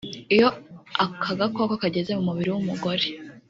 Iyo aka gakoko kageze mu mubiri w’umugore